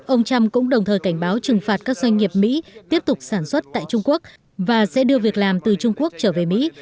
ông trump cũng đồng thời cảnh báo trừng phạt các doanh nghiệp mỹ tiếp tục sản xuất tại trung quốc và sẽ đưa việc làm từ trung quốc trở về mỹ